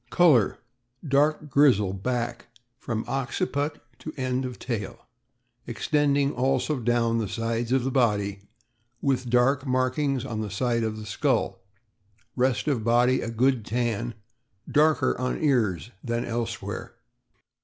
Color. — Dark grizzle back, from occiput to end of tail, extending also down the sides of the body, with dark mark ings on the side of the skull ; rest of body a good tan, darker on ears than elsewhere.